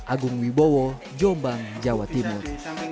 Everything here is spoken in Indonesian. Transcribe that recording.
agung wibowo jombang jawa timur